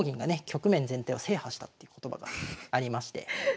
局面全体を制覇したっていう言葉がありまして。